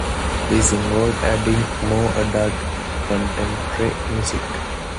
This involved adding more adult contemporary music.